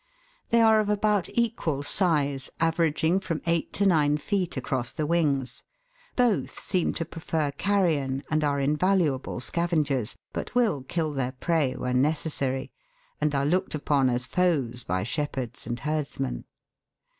They are of about equal size, averaging from eight to nine feet across the wings ; both seem to prefer carrion, and are in valuable scavengers, but will kill their prey when necessary, 234 THE WORLDS LUMBER ROOM. and are looked upon as foes by shepherds and herdsmen.